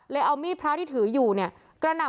เลยเอามิพร้าที่ถืออยู่เนี่ย